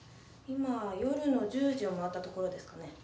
今夜の１０時を回ったところですかね。